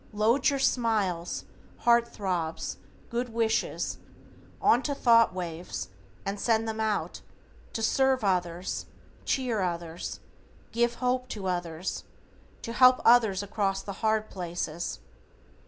Load your smiles, heart throbs, good wishes, onto thought waves and send them out, to serve others, cheer others, give hope to others, to help others across the hard places.